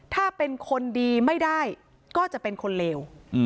ถ้าเป็นคนดีไม่ได้ก็จะเป็นคนเลว